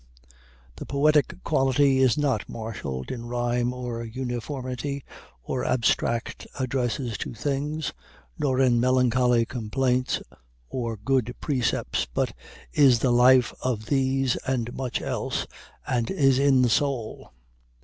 The poetic quality is not marshal'd in rhyme or uniformity, or abstract addresses to things, nor in melancholy complaints or good precepts, but is the life of these and much else, and is in the soul.